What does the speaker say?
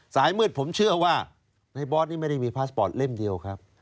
สายมืดผมเชื่อว่าในบอสนี่ไม่ได้มีพาสปอร์ตเล่มเดียวครับ